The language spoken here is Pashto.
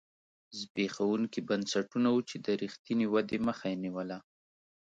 زبېښونکي بنسټونه وو چې د رښتینې ودې مخه یې نیوله.